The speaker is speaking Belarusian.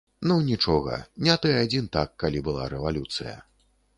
Ну нічога, не ты адзін так, калі была рэвалюцыя.